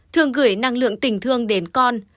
thương gửi năng lượng tình thương đến con